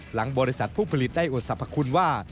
หลังบริษัทผู้ผลิตได้อดสรรพคุณว่า